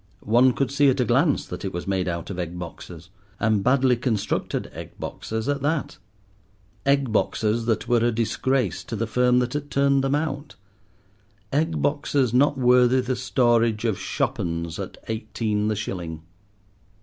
One could see at a glance that it was made out of egg boxes, and badly constructed egg boxes at that—egg boxes that were a disgrace to the firm that had turned them out; egg boxes not worthy the storage of "shop 'uns" at eighteen the shilling.